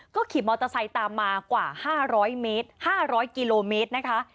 ขี่มอเตอร์ไซค์ตามมากว่า๕๐๐เมตร๕๐๐กิโลเมตรนะคะ